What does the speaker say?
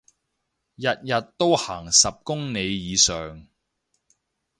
日日都行十公里以上